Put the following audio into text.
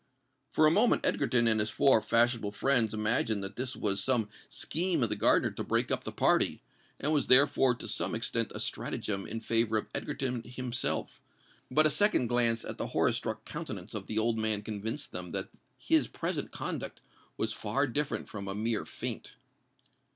For a moment Egerton and his four fashionable friends imagined that this was some scheme of the gardener to break up the party, and was therefore to some extent a stratagem in favour of Egerton himself: but a second glance at the horror struck countenance of the old man convinced them that his present conduct was far different from a mere feint.